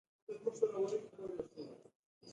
دا ځکه چې زه د کومو سپېڅلو ځایونو ته روان یم.